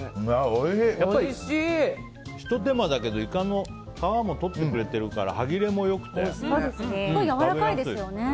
やっぱりひと手間だけどイカの皮も取ってくれてるからやわらかいですよね。